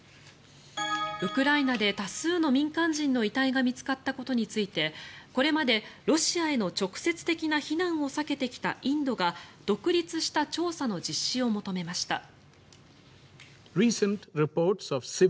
ウクライナで多数の民間人の遺体が見つかったことについてこれまでロシアへの直接的な非難を避けてきたインドが独立した調査の実施を求めました。